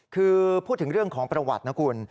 คือพูดถึงเรื่องของประวัตินะคุณ